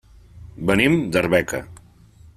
Venim d'Arbeca.